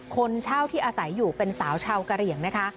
คนเช่าที่อาศัยอยู่เป็นสาวชาวกะเหลี่ยงนะคะ